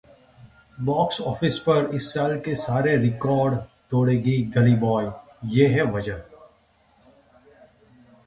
box office पर इस साल के सारे रिकॉर्ड तोड़ेगी गली बॉय, ये है वजह